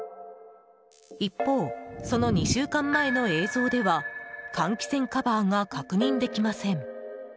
一方、その２週間前の映像では換気扇カバーが確認できません。